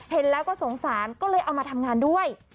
เห็นแล้วก็สงสารก็เลยเอามาทำงานด้วย